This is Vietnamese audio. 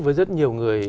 với rất nhiều người